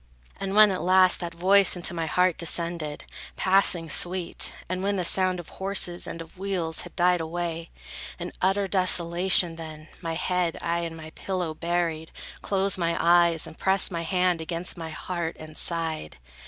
And when, at last, that voice into my heart Descended, passing sweet, and when the sound Of horses and of wheels had died away; In utter desolation, then, my head I in my pillow buried, closed my eyes, And pressed my hand against my heart, and sighed.